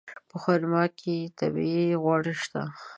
په خرما کې طبیعي غوړ شته.